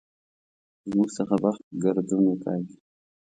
زموږ څخه بخت ګردون وکاږي.